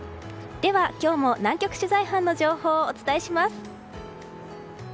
今日も南極取材班の情報をお伝えします。